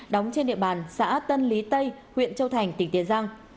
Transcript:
đóng trên địa bàn xã tân lý tây huyện châu thành tỉnh tiền giang